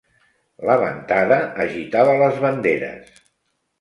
La ventada agitava les banderes.